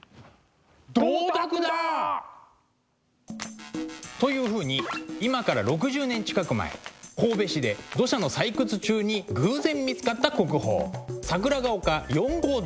銅鐸だ！というふうに今から６０年近く前神戸市で土砂の採掘中に偶然見つかった国宝「桜ヶ丘４号銅鐸」です。